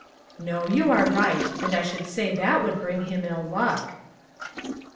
"No, you are right—and I should say that would bring him ill luck."